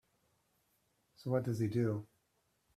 So what does he do?